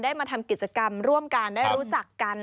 มาทำกิจกรรมร่วมกันได้รู้จักกัน